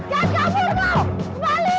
jangan kabur mau kembali